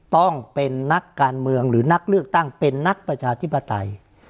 ต้องเป็นนักการเมืองหรือนักเลือกตั้งเป็นนักประชาธิปไตย